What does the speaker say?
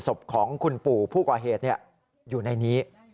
ศพของคุณปู่ผู้ก่อเหตุอยู่ในนี้